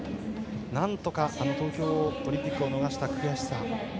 東京オリンピックを逃した悔しさ。